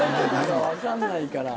分かんないから。